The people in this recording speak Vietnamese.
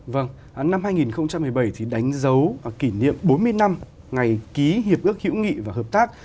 vâng năm hai nghìn một mươi bảy thì đánh dấu kỷ niệm bốn mươi năm ngày ký hiệp ước hữu nghị và hợp tác